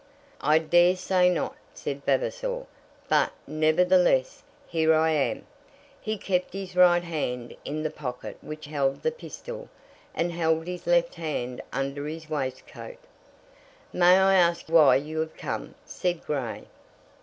"I dare say not," said Vavasor; "but, nevertheless, here I am." He kept his right hand in the pocket which held the pistol, and held his left hand under his waistcoat. "May I ask why you have come?" said Grey.